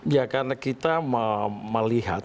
ya karena kita melihat